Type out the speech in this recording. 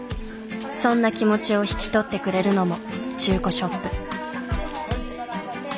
そんな気持ちを引き取ってくれるのも中古ショップ。